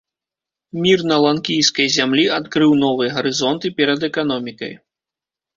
Мір на ланкійскай зямлі адкрыў новыя гарызонты перад эканомікай.